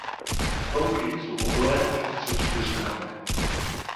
Stonky jsou oblé až ostře čtyřhranné.